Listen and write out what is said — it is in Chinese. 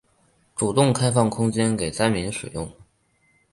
主动开放空间给灾民使用